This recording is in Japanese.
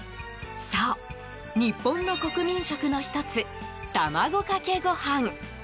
そう、日本の国民食の１つ卵かけご飯！